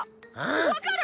わかる！？